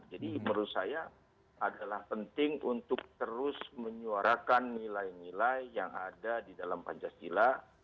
jadi menurut saya adalah penting untuk terus menyuarakan nilai nilai yang ada di dalam pancasila